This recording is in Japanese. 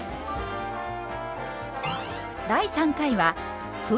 第３回は麩。